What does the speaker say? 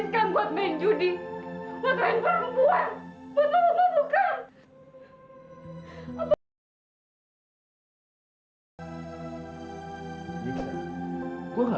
ya karena uang itu